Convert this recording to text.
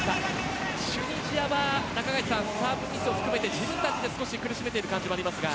チュニジアはサーブミスも含めて自分たちで少し苦しめている感じがありますが。